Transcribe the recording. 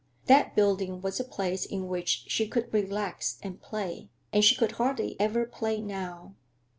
That building was a place in which she could relax and play, and she could hardly ever play now.